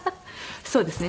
そうですね。